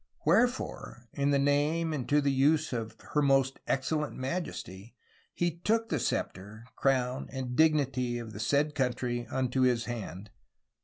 . Wherefore, in the name and to the vse of her most excellent maiesty, he tooke the scepter, crowne, and dig nity of the sayd countrie into his hand."